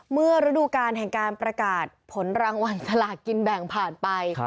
เมื่อฤดูการแห่งการประกาศผลรางวัลสลากกินแบ่งผ่านไป